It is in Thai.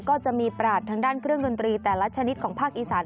ก็จะมีปราศทางด้านเครื่องดนตรีแต่ละชนิดของภาคอีสาน